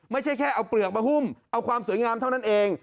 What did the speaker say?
ไม่ใช่แค่เอาเปลือกมาหุ้มเอาความสวยงามเท่านั้นเอง